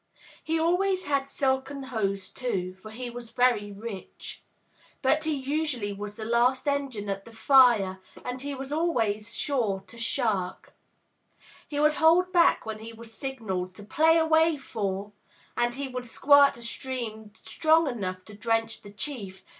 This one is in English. He always had silken hose, too, for he was very rich. But he usually was the last engine at the fire, and he was always sure to shirk. He would hold back when he was signalled to ''Play away, FouXy' and he would squirt a stream strong enough to drench the Chief, wh(m *From The Lively City o'Ligg.